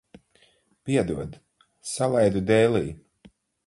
Piedod, salaidu dēlī.